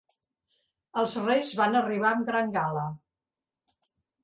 Els Reis van arribar amb gran gala.